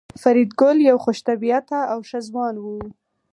فریدګل یو خوش طبیعته او ښه ځوان و